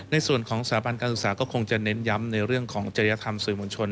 สถาบันการศึกษาก็คงจะเน้นย้ำในเรื่องของจริยธรรมสื่อมวลชน